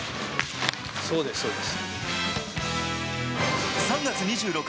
そうです、そうです。